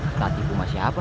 kena tipu masih apa